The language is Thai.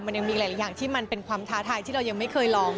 มันยังมีหลายอย่างที่มันเป็นความท้าทายที่เรายังไม่เคยลอง